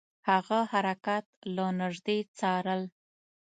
هغه حرکات له نیژدې څارل.